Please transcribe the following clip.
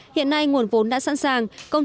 hiện nay nguồn vốn đã sẵn sàng